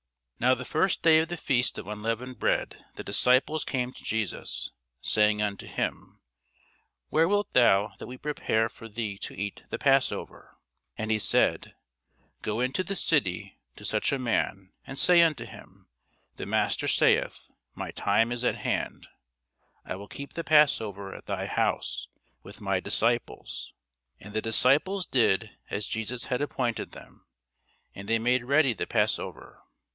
Now the first day of the feast of unleavened bread the disciples came to Jesus, saying unto him, Where wilt thou that we prepare for thee to eat the passover? And he said, Go into the city to such a man, and say unto him, The Master saith, My time is at hand; I will keep the passover at thy house with my disciples. And the disciples did as Jesus had appointed them; and they made ready the passover.